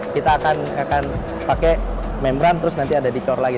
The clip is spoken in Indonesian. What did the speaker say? kita akan pakai membran terus nanti ada dicor lagi